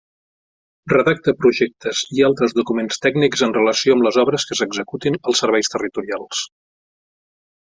Redacta projectes i altres documents tècnics en relació amb les obres que s'executin als serveis territorials.